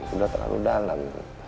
udah terlalu dalam